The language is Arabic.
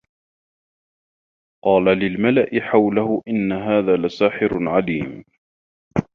قالَ لِلمَلَإِ حَولَهُ إِنَّ هذا لَساحِرٌ عَليمٌ